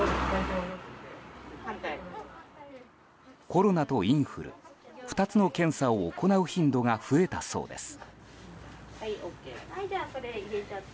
コロナとインフル２つの検査を行う頻度が増えたそうです。